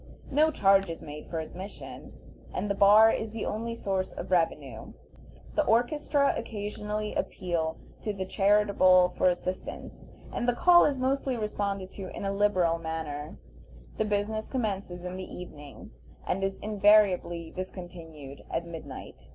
No charge is made for admission, and the bar is the only source of revenue. The "orchestra" occasionally appeal to the charitable for assistance, and the call is mostly responded to in a liberal manner. The business commences in the evening, and is invariably discontinued at midnight.